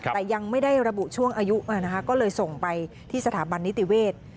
แต่ยังไม่ได้ระบุช่วงอายุก็เลยส่งไปที่สถาบันนิติเวศ